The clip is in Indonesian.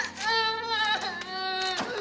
kau brilalah ibu